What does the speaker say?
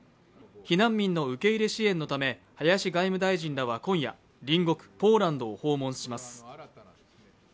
避難民の受け入れ支援のため林外務大臣らは今夜、隣国ポーランドを訪問します。